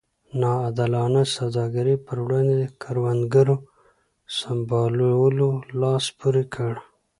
نا عادلانه سوداګرۍ پر وړاندې کروندګرو سمبالولو لاس پورې کړ.